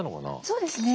そうですね。